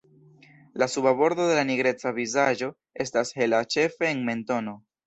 La suba bordo de la nigreca vizaĝo estas hela ĉefe en mentono.